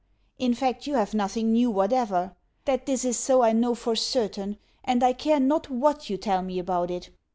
In fact, you have nothing new whatever. That this is so, I know for certain, and I care not WHAT you tell me about it.